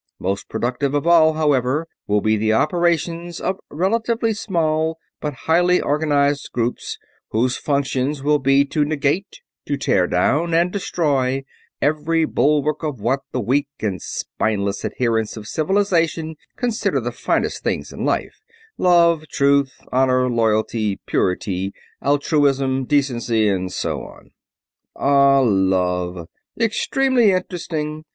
Most productive of all, however, will be the operations of relatively small but highly organized groups whose functions will be to negate, to tear down and destroy, every bulwark of what the weak and spineless adherents of Civilization consider the finest things in life love, truth, honor, loyalty, purity, altruism, decency, and so on." "Ah, love ... extremely interesting.